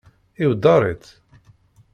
Iweddeṛ-itt?